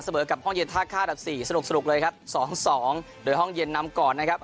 สะเบิดกับห้องเย็นท่าค่าดับ๔สนุกเลยครับ๒๒โดยห้องเย็นนำก่อนนะครับ